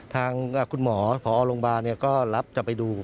ทางคุณหมอพอโรงพยาบาลก็รับจะไปดู